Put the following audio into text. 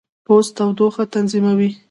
پوست تودوخه تنظیموي.